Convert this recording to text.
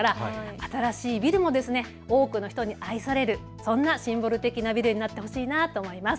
新しいビルも多くの人に愛されるシンボル的なビルになってほしいなと思います。